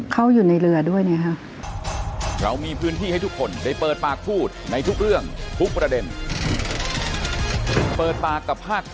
อยู่ในเรือด้วยนะครับ